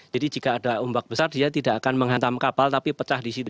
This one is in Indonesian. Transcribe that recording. jadi jika ada ombak besar dia tidak akan menghantam kapal tapi pecah di situ